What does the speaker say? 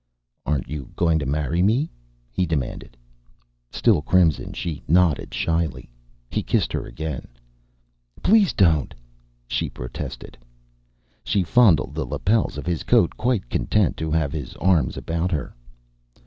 "Aren't you going to marry me?" he demanded. Still crimson, she nodded shyly. He kissed her again. "Please don't!" she protested. She fondled the lapels of his coat, quite content to have his arms about her.